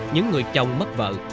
những người chồng mất vợ